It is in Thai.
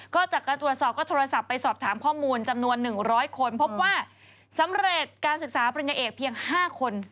ก็จากการตรวจสอบก็โทรศัพท์ไปสอบถามข้อมูลจำนวน๑๐๐คนพบว่าสำเร็จการศึกษาปริญญาเอกเพียง๕คน